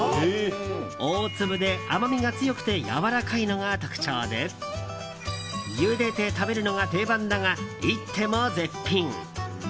大粒で甘みが強くてやわらかいのが特徴でゆでて食べるのが定番だが煎っても絶品！